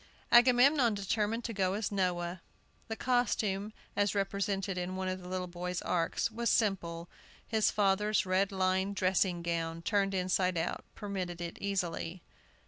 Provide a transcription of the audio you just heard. Agamemnon determined to go as Noah. The costume, as represented in one of the little boys' arks, was simple. His father's red lined dressing gown, turned inside out, permitted it easily.